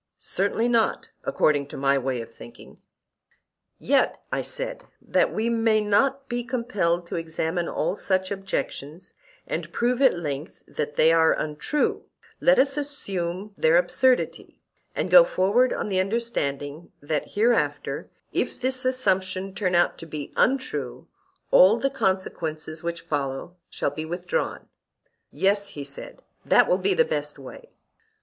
Certainly not, according to my way of thinking. Yet, I said, that we may not be compelled to examine all such objections, and prove at length that they are untrue, let us assume their absurdity, and go forward on the understanding that hereafter, if this assumption turn out to be untrue, all the consequences which follow shall be withdrawn. Yes, he said, that will be the best way.